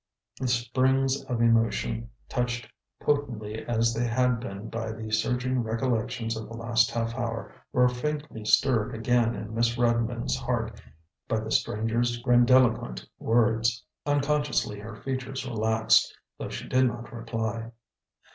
The springs of emotion, touched potently as they had been by the surging recollections of the last half hour, were faintly stirred again in Miss Redmond's heart by the stranger's grandiloquent words. Unconsciously her features relaxed, though she did not reply.